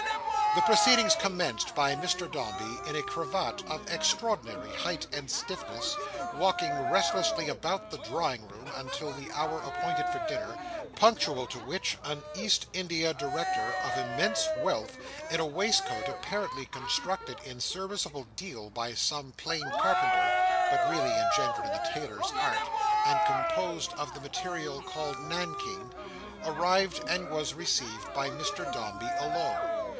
The proceedings commenced by Mr Dombey, in a cravat of extraordinary height and stiffness, walking restlessly about the drawing room until the hour appointed for dinner; punctual to which, an East India Director, of immense wealth, in a waistcoat apparently constructed in serviceable deal by some plain carpenter, but really engendered in the tailor's art, and composed of the material called nankeen, arrived and was received by Mr Dombey alone.